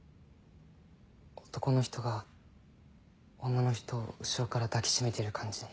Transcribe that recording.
男の人が女の人を後ろから抱き締めてる感じで。